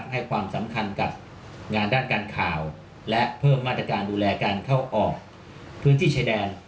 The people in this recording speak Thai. ให้ความสำคัญกับงานด้านการข่าวและเพิ่มมาตรการดูแลการเข้าออกพื้นที่ชายแดน